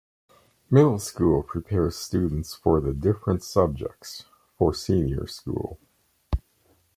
Middle School prepares students for the different subjects for Senior School.